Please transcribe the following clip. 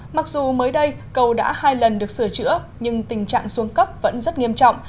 mặc dù mới đây cầu đã hai lần được sửa chữa nhưng tình trạng xuống cấp vẫn rất nghiêm trọng